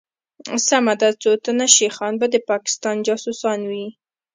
سمه ده څوتنه شيخان به دپاکستان جاسوسان وي